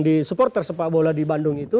di supporter sepak bola di bandung itu